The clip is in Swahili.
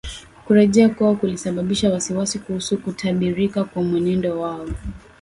Kurejea kwao kulisababisha wasiwasi kuhusu kutabirika kwa mwenendo wao